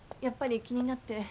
やっぱり気になって。